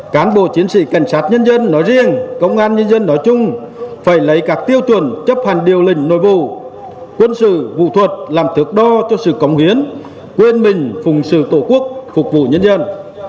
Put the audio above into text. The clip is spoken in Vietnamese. cán bộ chiến sĩ cảnh sát nhân dân nói riêng công an nhân dân nói chung phải lấy các tiêu chuẩn chấp hành điều lệnh nội vụ quân sự vụ thuật làm thước đo cho sự cống hiến quên mình phụng sự tổ quốc phục vụ nhân dân